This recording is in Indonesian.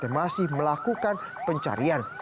yang masih melakukan pencarian